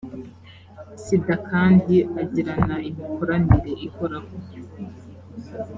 sida kandi agirana imikoranire ihoraho